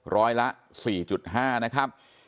ร้อยละ๔๕นะครับ